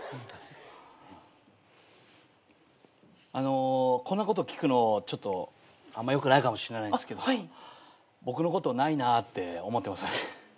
あのこんなこと聞くのちょっとあんまよくないかもしれないですけど僕のことないなって思ってますよね。